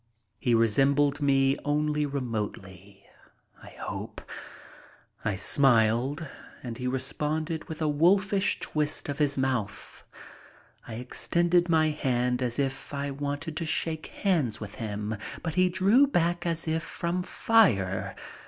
He resembled me only remotely—I hope. I smiled, and he responded with a wolfish twist of his mouth. I extended my hand as if I wanted to shake hands with him, but he drew back as if from fire.